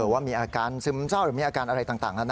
ว่ามีอาการซึมเศร้าหรือมีอาการอะไรต่าง